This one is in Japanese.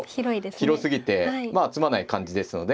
広すぎて詰まない感じですので。